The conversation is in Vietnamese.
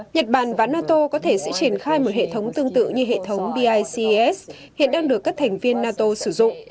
nhật bản và nato có thể sẽ triển khai một hệ thống tương tự như hệ thống bics hiện đang được các thành viên nato sử dụng